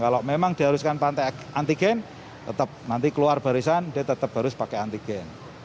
kalau memang diharuskan pantai antigen tetap nanti keluar barisan dia tetap harus pakai antigen